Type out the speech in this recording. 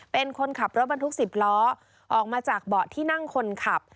เป็นคนขับรถบรรทุก๑๐ล้อออกมาจากเบาะที่นั่งคนขับ